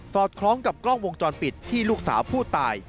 อดคล้องกับกล้องวงจรปิดที่ลูกสาวผู้ตาย